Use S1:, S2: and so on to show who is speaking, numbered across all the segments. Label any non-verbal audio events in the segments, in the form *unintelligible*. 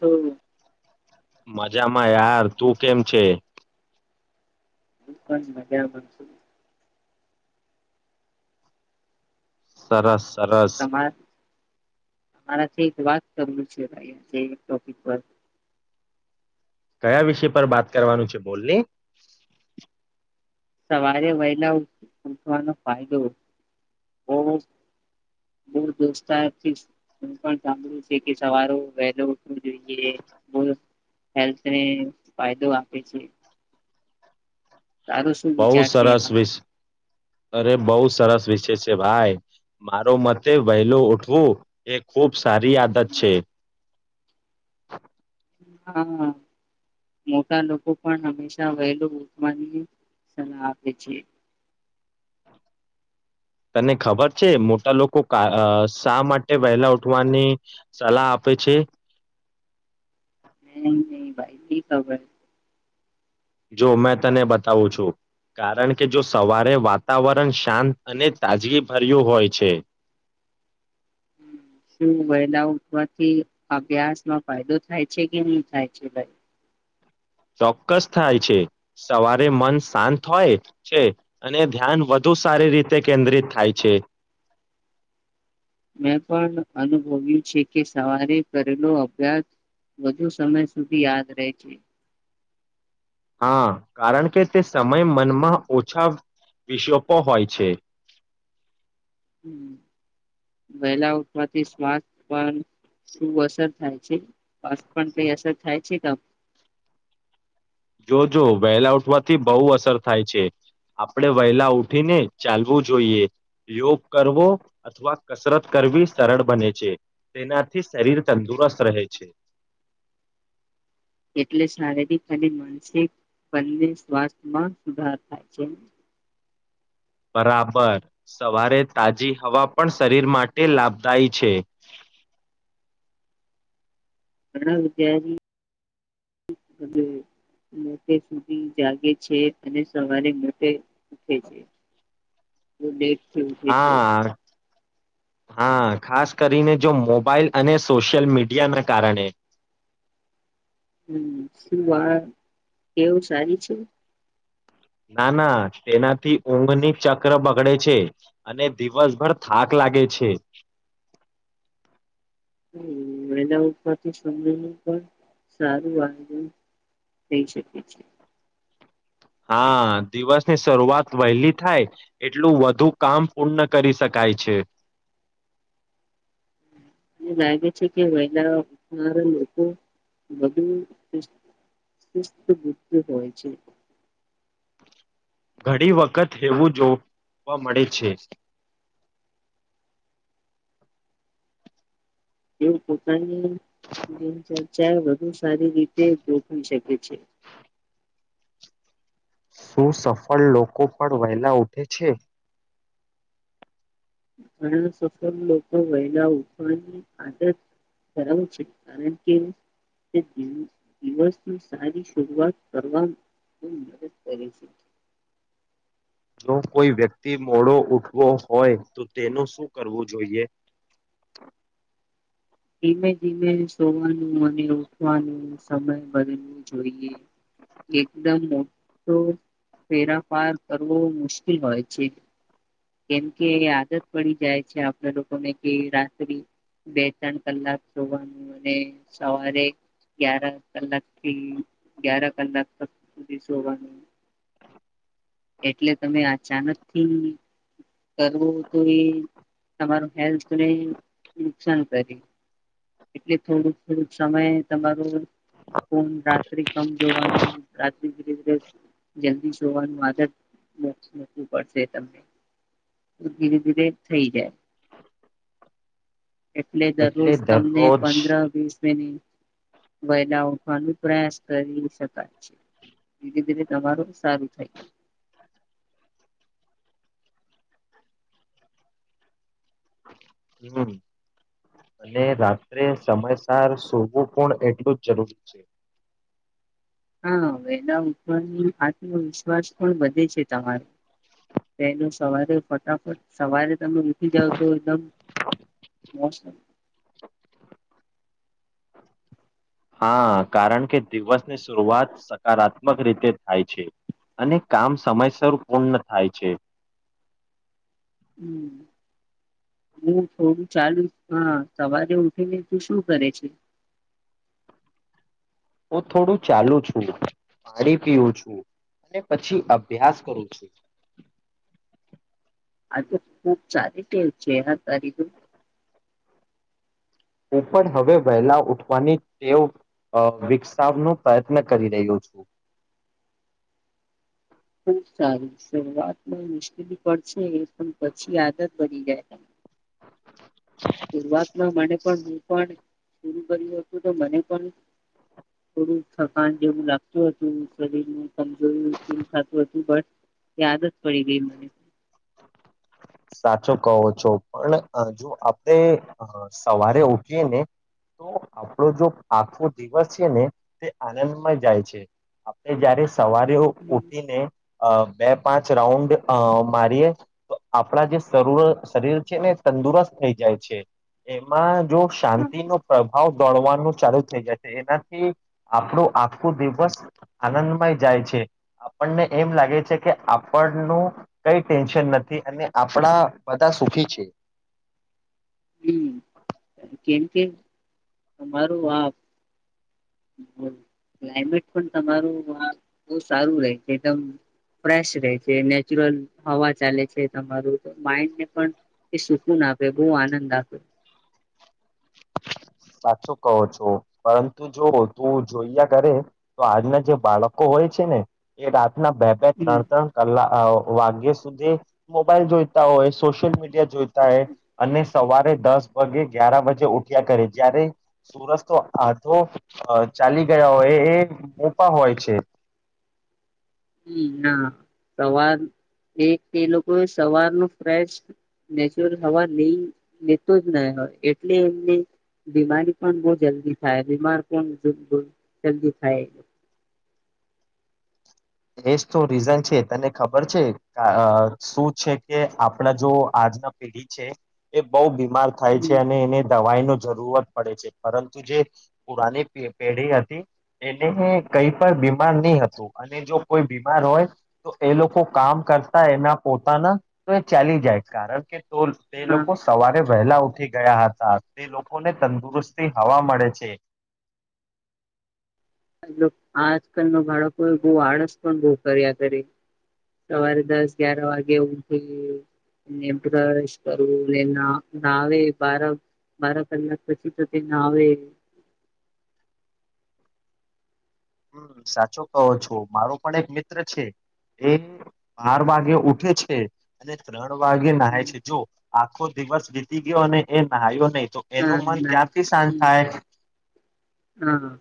S1: હમ્મ
S2: મજામાં યાર તું કેમ છે
S1: *inaudible*
S2: સરસ સરસ
S1: અરાથી વાત કરવું છે ભાઈ એક ટોપિક પર
S2: કયા વિષય પર વાત કરવાનું છે બોલની
S1: સવારે વહેલા ઉઠવાનો ફાયદો બો દોસ્તાર થી સાંભળું છે કે સવારે વહેલો ઉઠવું જોઈએ બ હેલ્થને ફાયદો આપે છે તારો શું
S2: બઉ
S1: વિચાર છે એમાં?
S2: સરસવી અરે બઉુ સરસવીસ છે છે ભાઈ મારો મતે વહેલો ઉઠવું એ ખૂબ સારી આદત છે
S1: હા મોટા લોકો પણ હંમેશા વહેલું ઉઠવાની સલાહ આપે છે
S2: તને ખબર છે મોટા લોકો કા શા માટે વહેલા ઉઠવાની સલાહ આપે છે
S1: ની ભાઈ ની ખબર
S2: જો મેં તને બતાવું છું કારણ કે જો સવારે વાતાવરણ શાંત અને તાજગી ભર્યું હોય છે
S1: શું વેહલા ઉઠવાથી અભ્યાસ માં ફાયદો થાય છે કે ની થાઈ છે ભાઈ
S2: ચોક્કસ થાય છે સવારે મન શાંત હોય છે અને ધ્યાન વધુ સારી રીતે કેન્દ્રિત થાય છે
S1: મેં પણ અનુભવ્યું છે કે સવારે કરેલો અભ્યાસ વધુ સમય સુધી યાદ રહે છે
S2: હા કારણ કે તે સમય મનમાં ઓછા વિષોપો હોય છે
S1: હમ્મ વહેલા ઉઠવાથી શ્વાસ પર શું અસર થાય છે શ્વાસ પણ કઈ અસર થાય છે
S2: જોજ વહેલા ઉઠવાથી બહુ અસર થાય છે આપણે વહેલા ઉઠીને ચાલવું જોઈએ યોગ કરવો અથવા કસરત કરવી સરળ બને છે તેનાથી શરીર તંદુરસ્ત રહે છે
S1: એટલે શારીરિક અને માનસિક બંને સ્વાસ્થ્યમાં સુધાર થાય છે
S2: બરાબર સવારે તાજી હવા પણ શરીર માટે લાભદાયી છે
S1: ઘણા મોડે સુધી જાગે છે અને સવારે મોડે ઉઠે છે ઉઠે છે
S2: હા હા ખાસ કરીને જો મોબાાઈલ અને સોશિયલ મીડિયાના કારણે
S1: હમ શું વા ટેવ સારી છે
S2: ના ના તેનાથી ઊંઘની ચક્ર બગડે છે અને દિવસભર થાક લાગે છે
S1: મેદા ઉઠવાથી સમયનું પણ સારું આંદન થઈ શકે છે
S2: હા દિવસની શરૂઆત વહેલી થાય એટલું વધુ કામ પૂર્ણ કરી શકાય છે
S1: મને લાગે છે કે વેહેલા ઉઢનારા લોકો વધુ *unintelligible* હોય છે
S2: ઘણી વખત હેવું જોવા મળે છે
S1: એવું પોતાની જ જ ચ વધુ સારી રીતે જોખી શકે છે
S2: શું સફળ લોકો પણ વહેલા ઉઠે છે
S1: ઘણા સફળ લોકો વહેલા ઉઠવાની આદત ધરાવે છે કારણ કે દિવસની સારી શરૂઆત કરવાવામાં મદદ કરે છે
S2: જો કોઈ વ્યક્તિ મોડો ઉઠવો હોય તો તેનું શું કરવું જોઈએ
S1: ધીમે ધીમે સોવાનું અને ઉઠવાનું સમય બદલવું જોઈએ એકદમ મોટો ફેરાફાર કરવો મુશ્કેલ હોય છે કેમકે આદત પડી જાય છે આપણે લોકોને કે રાત્રિ બે ત્રણ કલાક જોવાનું અને સવારે ગ્યાર કલાક થી ગ્યાર કલાક સુધી જોવાનું એટલે તમે અચાનકથી કરવો તો એ તમાર હેલ્થને નુકસાન કરે એટલે થોડુંક થોડક સમય તમારો હોમ રાત્રે કમ જોવાનું રાત્ર ધરે ધીરે જલ્દી જોવાનું આગળ ું પડશે તમને ધીરે ધીરે થઈ જાય એટલે દરરોજ તમને પંદર વીસ મિનિટ વયદા ઉઠવાનો પ્રયાસ કરી શકાય છે ધીરે ધીરે તમારું સારું થઈ ગય
S2: હમ અને રાત્રે સમયસર સોવું પણ એટલું જ જરૂરી છે
S1: હા વેલા ઉપરની આત્મવિશ્વાસ પણ વધે છે તમારો પહેલ સવારે ફટાફટ સવારે તમે વસી ગાવ તો એકદમ મોસમ
S2: હા કારણ કે દિવસની શરૂઆત સકારાત્મક રીતે થાય છે અને કામ સમયસર પૂર્ણ થાય છે
S1: હમ હું થોડું ચાલુ હા સવારે ઉઠીને તોું શું કરે છે
S2: હું થોડું ચાલુ છું પાણી પીવું છું અને પછી અભ્યાસ કરું છું
S1: આતો ખુબ સારી ટેવ છે હો તારી તો
S2: હું પણ હવે વહેલા ઉઠવાની ટેવ વિકસાવનો પ્રયત્ન કરી રહ્યો છું
S1: ખુબ સારી શરૂઆતમાં મુશ્કેલી પડશે પછી આદત બની જાય ત. શરઆતમાં મને પણ હું પણ. શરું કર્યું હતું તો મને પણ થોડું થકાન જેવું લાગતું હતું શરીર કમજોરી થતું હતું પણ આદત જ પડી ગઈ મને.
S2: સાચો કહો છો પણ જો આપણે સવારે ઉઠીએ ને તો આપણો જો આખો દિવસ છે ને તે આનંદમાં જાય છે આપણે. જયારે સવારે ઉઠીને અ. બે પાંચ રાઉન્ડ મારીએ. આપણા જે શર શરીર છે ને એ તંદુરસ્ત થઈ જાય છે એમાં જો શાંતિનોો પ્રભાવ દોડવાનું ચાલુ થઈ જાય છે એનાથી આપણું આખું દિવસ આનંદમય જાય છે આપણને એમ લાગે છે કે આપણનું કઈ ટેન્શન નથી. અને આપણા બધા સુખી છે.
S1: કેમકે તમારું આ ક્લાયમેટ પણ તમારું આ બહ સારું રહે છે એકદમ ફેશ રહે છે નેચરલ હવા ચાલે છે તમારું માઇન્ડને પણ એ સુકૂન આપે બહ આનંદ આપે.
S2: સાચું કહો છો પરંતુ જો તું જોઈયા કરે તો આજના જે બાળકો હોય છે ને એ રાત. ના બે બે
S1: હમ
S2: ત્રણ ત્રણ કલાક આવો. વાગ્ય સુધી મોબાઈલ જોઈતા હોય સોશિયલ મીડિયા જોઈતા હોય અને સવારે દસ વાગે ગ્યાર વાગે ઉ. જગ્યા કરે જ્યારે સુરજ તો આધો ચાલી ગયા હોય એ મોપા હોય છે.
S1: હમ ના સવાર એક એ લોકોએ સવાર ન ફેશ નેચરલ હવા લઈ લેતો જ નહી હોય એટલે એમને બીમારી પણ બહ જલ્દી થાય બીમાર પણ જદી થાય એ.
S2: એજ તો રીઝન છે તને ખબર છે શું છે કે આપણા જો આજના પેઢી છે એ બહ બી. ર થાય છે
S1: હમ
S2: અને એને દવાઈ નો. જરૂરત પડે છે પરંતુ જે પુરાની પેઢી હતી એને કઈ પણ બીમાર નહી હતું અને જો. કોઈ બીમાર હોય તો એ લોકો કામ કરતા એના પોતાના તો એ ચાલી જાય કારણ કે. તો એ
S1: હા
S2: લોકો સવારે. વહેલા ઉઠી ગયા હતા તે લોકોને તંદુરસ્તી હવા મળે છે.
S1: આજકાલ ન બાળકોએ બહ આળસ પણ બહુ કર્યા કર સવારે દસ ગ્યાર વાગે ઉઠી બ્રશ કરવું નાાવે બાર બાર કલાક પછી તો તે નાાવે
S2: હમ સાચો કહો છો મારો પણ એક મિત્ર છે એ બાર વાગે ઉઠે છે અને ત્રણ. વાગે નાાય છે જો. આખો દિવસ જીતી ગયો અને એ ના્યો નહી. તો
S1: હા
S2: એનું મન
S1: ના
S2: ક્યાંથી શાંત
S1: હ
S2: થાય
S1: હા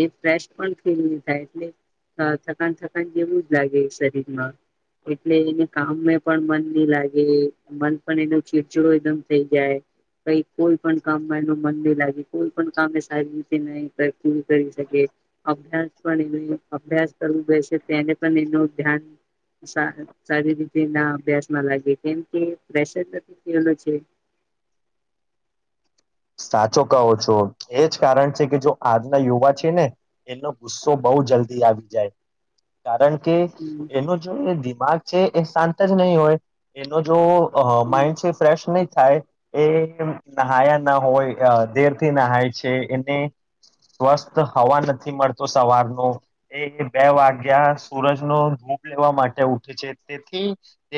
S1: એ ફ. પણ નહી થાય એટલે થકાન થકાન જેવું જ લાગે શરીર માં એટલે એને કામને પણ મન નહી લાગે મન પણ એનો ચીડચીડો એકદમ થઈ જાય કઈક. કોઈ પણ કામમાં એનું મન નહી લાગે કોઈ પણ કામ સારી રીતે નહી કરી શકે અભ્યાસ પણ એ અભ્યાસ કરવું બેસે તેને પણ એનું ધ્યાન સારી રીતે ના અભ્યાસમાં લાગે કેમકે પ્રેશર નથી થલો છે.
S2: સાચો કહો છો એજ કારણ છે કે જો આજના યુવા છે ને એનો ગુસ્સો બહુ જલ્દી આવી જાય કારણ કે.
S1: હમ
S2: કે એનો જો એ દિમાગ. છે એ શાંત જ નહીં હોય એનો જો.
S1: હમ
S2: માઇન્ડ છે ફ્રેેશ નહી. થાય એ નહયા. ના હોય દેર થી નાહાય છે એને સ્વસ્થ હવા નથી મળતો સવારનો એ બે વાગ્યા સુૂરજનો ધૂપ લેવા માટે ઉઠે છે તેથી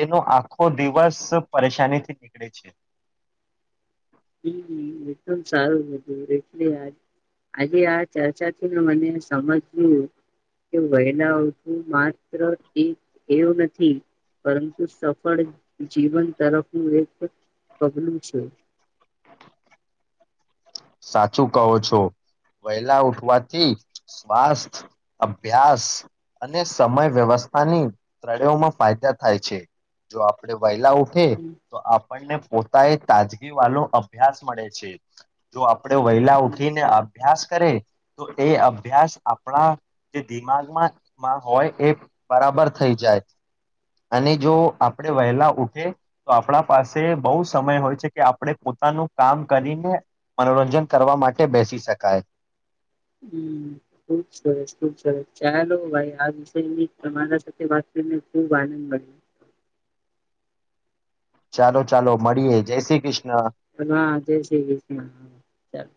S2: એનો આખો દિવસ પરેશાનીથી નીકળે છે.
S1: હમ. એકદમ સારું બું એટલે આજે આ ચર્ચા થી મને સમજું કે વહેલાઓું માત્ર એક એવું નથી પરંતુ સફળ જીવન તરફનું એક પગલું છે.
S2: સાચું કહો છો વહેલા ઉઠવાથી સ્વાસ્થ્ય અભ્યાસ અને સમય વ્યવસ્થાની ત્રણેયોમાં ફાયદા થાય છે જો આપણે વહેલા. થ
S1: હમ્મ
S2: તો આપ. આપણને પોતા એ તાજગી વાલોો અભ્યાસ મળે છે. જો આપણે વહેલા ઉઠીને અભ્યાસ કરે તો એ અભ્યાસ આપણા જે દિમાગમાંમાં હોય એ બરાબર થઈ જાય. અને જો આપણે વહેલા ઉઠે તો આપણા પાસે બહુ સમય હોય છે કે આપણે પોતાનું કામ કરીને મનોરંજન કરવા માટે બેસી શકાય.
S1: હમ ખુબ સરસ ખુબ સરસ ચાલો ભાઈ આ વિષયની તમારા સાથે વાત કરીને ખુબ આનંદ મળ્યો
S2: ચાલો ચાલો મળીએે જય શ્રી કૃષ્ણ
S1: હા જય શ્રી કૃષ્ણ ચાલ